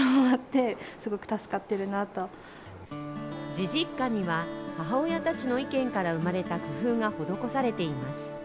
じじっかには母親たちの意見から生まれた工夫が施されています。